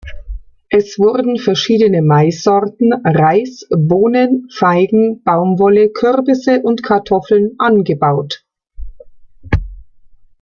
Es wurde verschiedene Maissorten, Reis, Bohnen, Feigen, Baumwolle, Kürbisse und Kartoffeln angebaut.